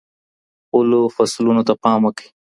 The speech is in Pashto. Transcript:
خپلو فصلونو ته پام وکړئ.